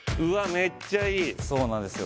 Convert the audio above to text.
メッチャいいそうなんですよ